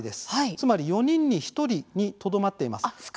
つまり４人に１人にとどまっています。